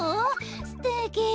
すてき。